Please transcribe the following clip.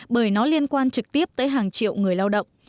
bởi nó liên quan trực tiếp tới hàng triệu người lao động